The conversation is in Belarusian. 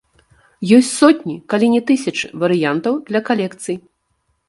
Ёсць сотні, калі не тысячы, варыянтаў для калекцый.